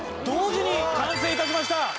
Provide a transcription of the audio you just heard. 同時に完成致しました！